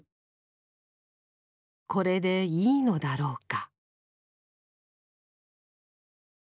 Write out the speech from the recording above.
これでいいのだろうか。